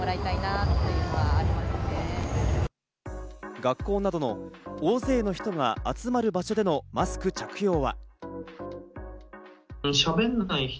学校などの大勢の人が集まる場所でのマスクの着用は。